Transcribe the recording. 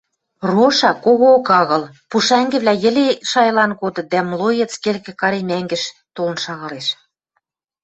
Роша когоок агыл, пушӓнгӹвлӓ йӹле шайылан кодыт, дӓ млоец келгӹ карем ӓнгӹш толын шагалеш.